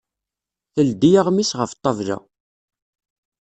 Teldi aɣmis ɣef ṭṭabla.